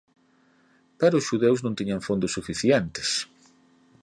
Pero os xudeus non tiñan fondos suficientes.